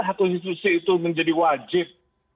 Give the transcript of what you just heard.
hak konstitusi itu menjadi wajib